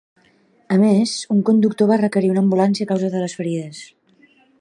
A més, un conductor va requerir una ambulància a causa de les ferides.